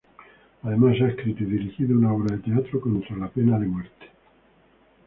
Además, ha escrito y dirigido una obra de teatro contra la pena de muerte.